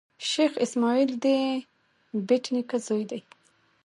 شېخ اسماعیل دبېټ نیکه زوی دﺉ.